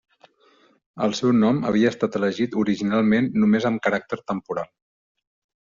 El seu nom havia estat elegit originalment només amb caràcter temporal.